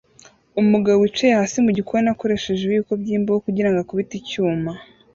Umugabo wicaye hasi mugikoni akoresheje ibiyiko byimbaho kugirango akubite icyuma